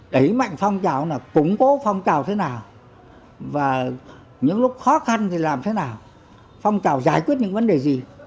đẩy mạnh phong trào là củng cố phong trào thế nào và những lúc khó khăn thì làm thế nào phong trào giải quyết những vấn đề gì